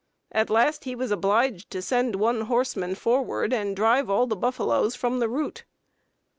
At last he was obliged to send one horseman forward and drive all the buffaloes from the route."